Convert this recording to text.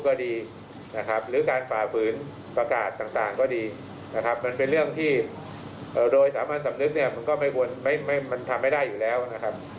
ตอนนี้เราพยายามใช้กฎหมายอื่นประคับท่าน